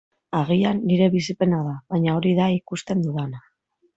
Agian nire bizipena da, baina hori da ikusten dudana.